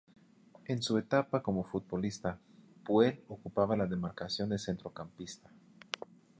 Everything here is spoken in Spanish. En su etapa como futbolista, Puel ocupaba la demarcación de centrocampista.